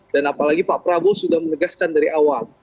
dan apalagi pak prabowo sudah menegaskan dari awal